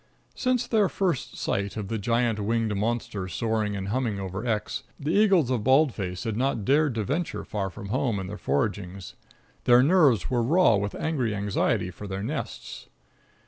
Since their first sight of the giant winged monster soaring and humming over X , the eagles of Bald Face had not dared to venture far from home in their foragings. Their nerves were raw with angry anxiety for their nests.